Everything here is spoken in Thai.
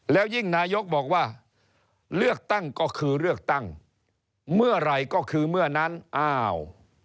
แล้วยิ่งนายกบอกว่าเลือกตั้งก็คือเลือกตั้งเมื่อไหร่ก็คือเมื่อนั้นอ้าว